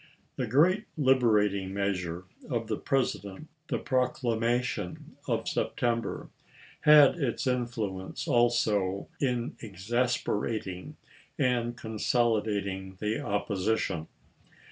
The great liberating measure of the Presi dent, the proclamation of September, had its influ 1862. ence also in exasperating and consolidating the opposition.